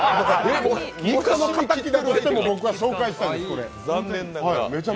親の敵だとしても僕は紹介しています。